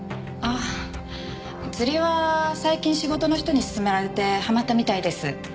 ああ釣りは最近仕事の人に勧められてはまったみたいです。